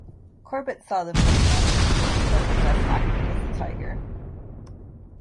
Corbett saw the movie once and claimed that the best actor was the tiger.